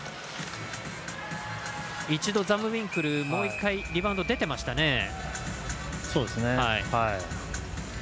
一度、ザムウィンクルもう１回リバウンドが出ていましたね。